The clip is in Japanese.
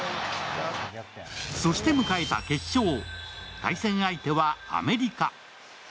そして迎えた決勝、対戦相手はアメリカ。